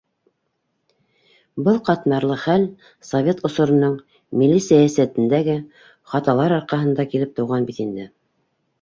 Был ҡатмарлы хәл совет осороноң милли сәйәсәтендәге хаталар арҡаһында килеп тыуған бит инде.